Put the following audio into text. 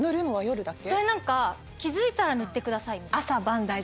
それ何か気付いたら塗ってくださいみたいな。